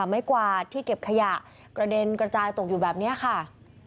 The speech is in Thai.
ไม้กวาดที่เก็บขยะกระเด็นกระจายตกอยู่แบบนี้ค่ะ